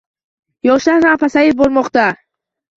Yoshlar ham pasayib bormoqda